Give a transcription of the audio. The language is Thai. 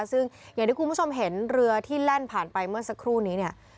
ซึ่งอย่างที่คุณผู้ชมเห็นเรือที่แล่นผ่านไปเมื่อสักครู่นี้เนี่ย